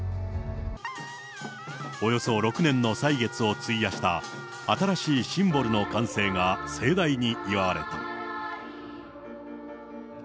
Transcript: およそ６年の歳月を費やした新しいシンボルの完成が盛大に祝われた。